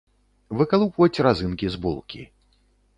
Выкалупваць разынкі з булкі.